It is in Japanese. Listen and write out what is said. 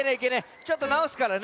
ちょっとなおすからね。